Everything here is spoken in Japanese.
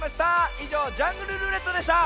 いじょう「ジャングルるーれっと」でした。